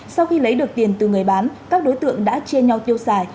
sau khi lấy được tiền từ người bán các đối tượng đã chia nhau tiêu xài